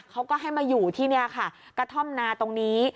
เขาก็ให้มาอยู่ที่นี่ค่ะกระท่อมนาตรงนี้